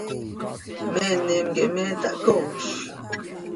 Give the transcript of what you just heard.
¿Meenim quih me tahcooz?